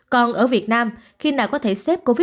còn ở việt nam khi nào có thể xếp covid một mươi